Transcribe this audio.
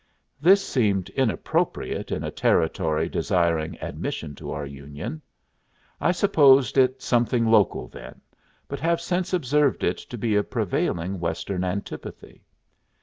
This seemed inappropriate in a Territory desiring admission to our Union. I supposed it something local then, but have since observed it to be a prevailing Western antipathy.